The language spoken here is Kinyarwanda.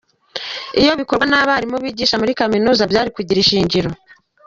Iyo bikorwa n’abarimu bigisha muri kaminuza byari kugira ishingiro.